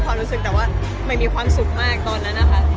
ความรู้สึกไม่มีความสุขมากตอนนั้น